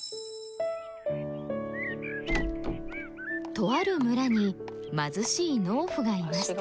とある村に貧しい農夫がいました。